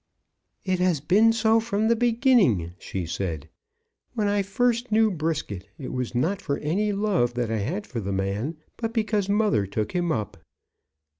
"It has been so from the beginning," she said. "When I first knew Brisket, it was not for any love I had for the man, but because mother took him up.